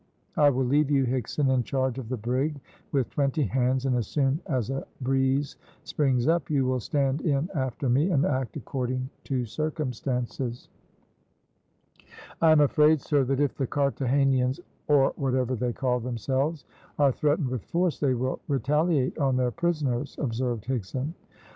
I will leave you, Higson, in charge of the brig with twenty hands, and as soon as a breeze springs up you will stand in after me, and act according to circumstances." "I am afraid, sir, that if the Carthagenans, or whatever they call themselves, are threatened with force, they will retaliate on their prisoners," observed Higson.